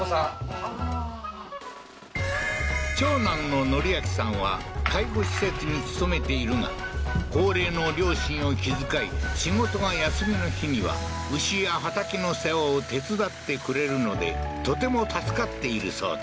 ああー長男の則秋さんは介護施設に勤めているが高齢の両親を気遣い仕事が休みの日には牛や畑の世話を手伝ってくれるのでとても助かっているそうだ